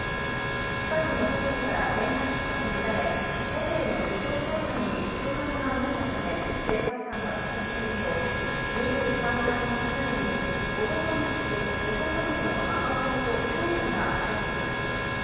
近くのホテルから転落したとみられ、ホテルの非常階段に人影が見えたため、警察官が駆けつけると、２３階の通路に男の子と男の子の母親ときょうだいがいたということです。